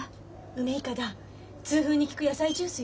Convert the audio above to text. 「梅筏痛風に効く野菜ジュースよ。